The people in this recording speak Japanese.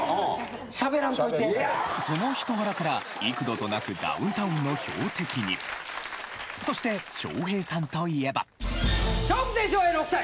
その人柄から幾度となくダウンタウンの標的にそして笑瓶さんといえば笑福亭笑瓶６歳。